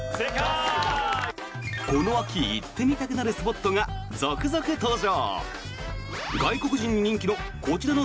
この秋、行ってみたくなるスポットが続々登場！